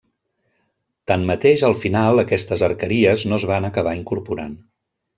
Tanmateix al final aquestes arqueries no es van acabar incorporant.